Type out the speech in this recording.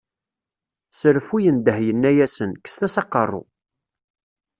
S reffu yendeh yenna-asen, kkset-as aqerru.